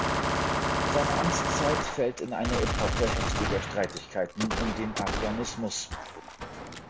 Seine Amtszeit fällt in eine Epoche heftiger Streitigkeiten um den Arianismus.